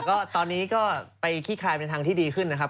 ก็ตอนนี้ก็ไปขี้คลายไปทางที่ดีขึ้นนะครับ